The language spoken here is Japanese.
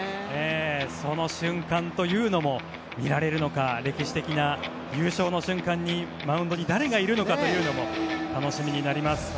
その瞬間というのも見られるのか歴史的な優勝の瞬間にマウンドに誰がいるのかというのも楽しみになります。